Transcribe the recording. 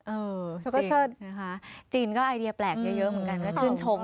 เธอก็เชิดนะคะจีนก็ไอเดียแปลกเยอะเหมือนกันก็ชื่นชม